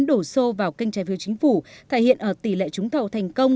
tổ sô vào kênh trái phiếu chính phủ thay hiện ở tỷ lệ trúng thầu thành công